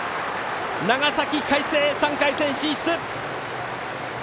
長崎・海星３回戦進出！